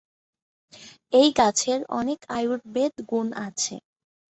এই গাছের অনেক আয়ুর্বেদ গুণ আছে।